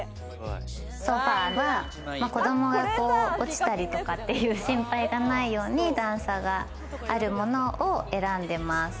ソファーは子供が落ちたりとかっていう心配がないように段差があるもの選んでます。